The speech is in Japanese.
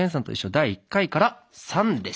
第１回から「ＳＵＮ」です。